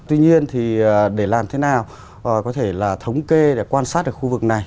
tuy nhiên thì để làm thế nào có thể là thống kê để quan sát được khu vực này